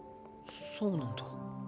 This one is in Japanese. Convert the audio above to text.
そうなんだ。